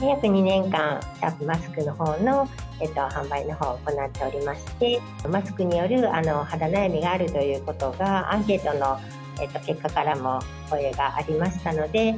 約２年間、シャープマスクのほうの販売のほうを行っておりまして、マスクによる肌悩みがあるということが、アンケートの結果からもお声がありましたので。